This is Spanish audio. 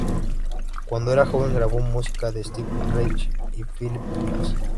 Cuando era joven, grabó música de Steve Reich y Philip Glass.